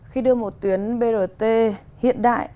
khi đưa một tuyến brt hiện đại